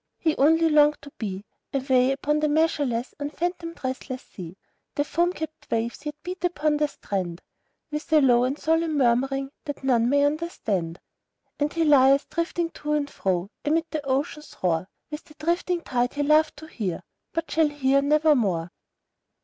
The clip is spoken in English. He only longed to be Away upon the measureless, unfathomed, restless sea. Thither he went. The foam capped waves yet beat upon the strand, With a low and solemn murmuring that none may understand; And he lieth drifting to and fro, amid the ocean's roar, With the drifting tide he loved to hear, but shall hear never more.